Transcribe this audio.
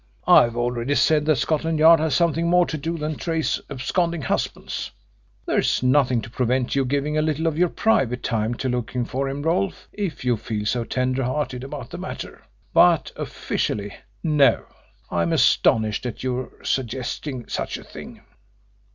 "I've already said that Scotland Yard has something more to do than trace absconding husbands. There's nothing to prevent your giving a little of your private time to looking for him, Rolfe, if you feel so tender hearted about the matter. But officially no. I'm astonished at your suggesting such a thing."